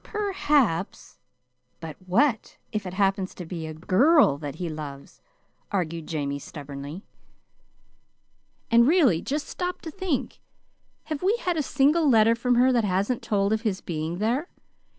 "Perhaps; but what if it happens to be a GIRL that he loves?" argued Jamie, stubbornly. "And, really, just stop to think. Have we had a single letter from her that hasn't told of his being there?